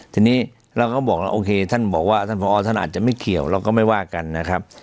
ทีนี้เราก็บอกแล้วโอเคท่านบอกว่าท่านผอท่านอาจจะไม่เกี่ยวเราก็ไม่ว่ากันนะครับ